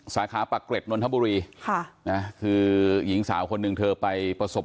สาขาปรักเกร็ดนนทบุรีค่ะนะคือหญิงสาวคนหนึ่งเธอไปประสบ